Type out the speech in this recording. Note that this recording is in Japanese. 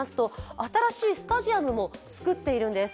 新しいスタジアムも造っているんです。